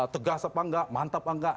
tegas apa enggak mantap apa enggak